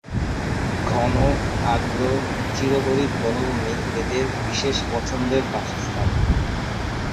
ঘন, আর্দ্র চিরহরিৎ বনভূমি এদের বিশেষ পছন্দের বাসস্থান।